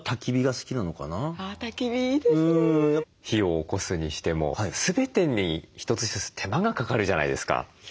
火をおこすにしても全てに一つ一つ手間がかかるじゃないですか。